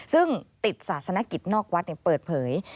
ซึ่งติดศาสนกิจนอกวัดเปิดเผย